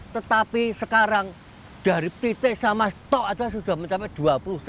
tetapi sekarang dari titik sama stok saja sudah mencapai dua puluh satu